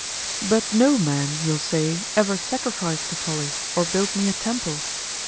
But no man, you'll say, ever sacrificed to Folly or built me a temple.